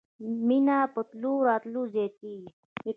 مینه په تلو راتلو زیاتیږي